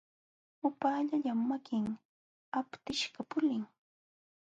Upaallallam makin aptishqa pulin.